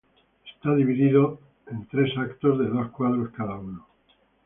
Está dividida en tres actos de dos cuadros cada uno.